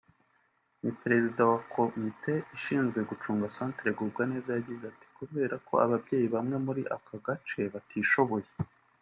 ni perezida wa komite ishinzwe gucunga Centre Gubwaneza yagize ati “kubera ko ababyeyi bamwe muri aka gace batishoboye